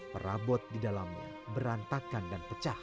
perabot di dalamnya berantakan dan pecah